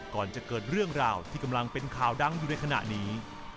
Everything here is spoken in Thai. ก่อนจะเกิดเรื่องราวที่กำลังเป็นข่าวดังอยู่ในขณะนี้